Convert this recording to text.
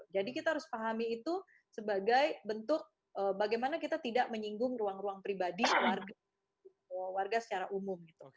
jadi kita harus pahami itu sebagai bentuk bagaimana kita tidak menyinggung ruang ruang pribadi warga secara umum